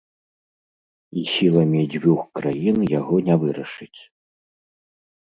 І сіламі дзвюх краін яго не вырашыць.